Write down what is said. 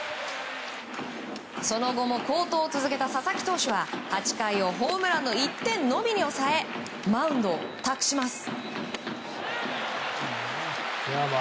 その後も好投を続けた佐々木投手は８回をホームランの１点にのみに抑えマウンドを託します。